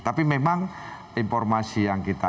tapi memang informasi yang kita